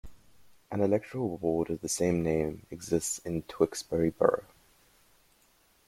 An electoral ward of the same name exists in Tewkesbury Borough.